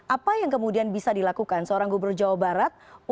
apa yang kemudian bisa dilakukan seorang gubernur jawa barat